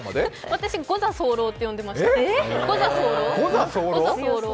私御座候って呼んでました。